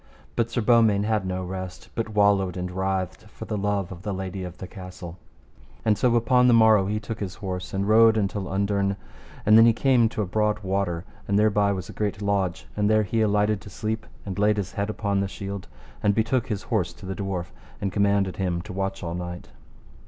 But Sir Beaumains had no rest, but wallowed and writhed for the love of the lady of the castle. And so upon the morrow he took his horse and rode until underne, and then he came to a broad water, and thereby was a great lodge, and there he alighted to sleep and laid his head upon the shield, and betook his horse to the dwarf, and commanded him to watch all night.